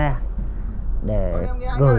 để tìm kiếm đồng chí huy